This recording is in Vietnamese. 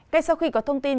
cách sau khi có thông tin